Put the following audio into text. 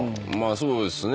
そうですね。